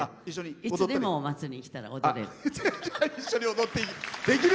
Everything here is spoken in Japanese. いつもお祭りに来たら踊れる。